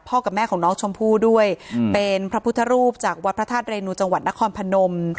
กับแม่ของน้องชมพู่ด้วยเป็นพระพุทธรูปจากวัดพระธาตุเรนูจังหวัดนครพนม